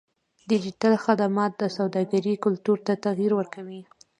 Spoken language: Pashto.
ډیجیټل خدمات د سوداګرۍ کلتور ته تغیر ورکوي.